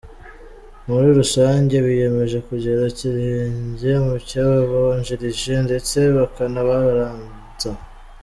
Muri rusange biyemeje kugera ikirenge mu cy’abababanjirije ndetse bakanabarenza.